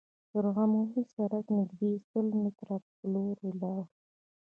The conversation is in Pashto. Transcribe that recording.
تر عمومي سړکه نږدې سل متره پلي لاړو.